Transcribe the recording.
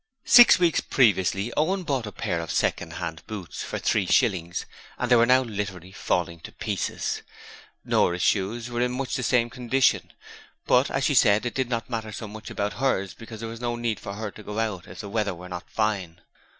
Six weeks previously Owen bought a pair of second hand boots for three shillings and they were now literally falling to pieces. Nora's shoes were in much the same condition, but, as she said, it did not matter so much about hers because there was no need for her to go out if the weather were not fine.